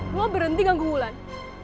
lo berhenti ganggu wulang